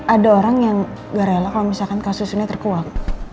ada orang yang gak rela kalau misalkan kasus ini terkuak